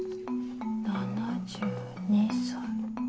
７２歳。